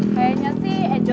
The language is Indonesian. kayanya sih enjoy aja